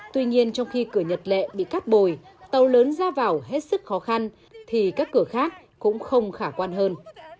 tuy nhiên trong khi cửa nhật lệ bị cắt bồi tàu lớn ra vào hết sức khó khăn thì các cửa khác cũng không khả quan hơn